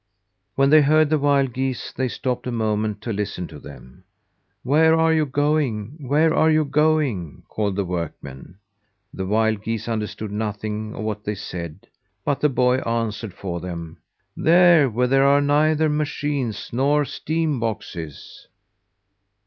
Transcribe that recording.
When they heard the wild geese, they stopped a moment to listen to them. "Where are you going? Where are you going?" called the workmen. The wild geese understood nothing of what they said, but the boy answered for them: "There, where there are neither machines nor steam boxes."